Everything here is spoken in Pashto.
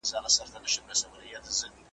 ګیدړ ژر له حیرانیه کړه خوله وازه `